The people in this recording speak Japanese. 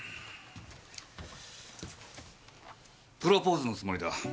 プロポーズのつもりだ。